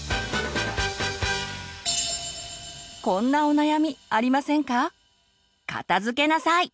こんなお悩みありませんか？